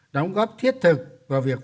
đóng góp thiết thực vào việc